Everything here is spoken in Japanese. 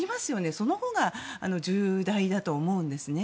そのほうが重大だと思うんですね。